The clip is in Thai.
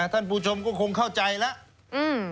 ท่านผู้ชมก็คงเข้าใจแล้ว